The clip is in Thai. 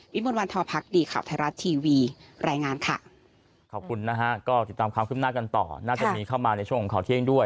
วิทย์บนวันท้อพักษณ์ดีข่าวไทยรัฐทีวีรายงานค่ะ